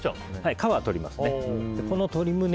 皮はとりますね。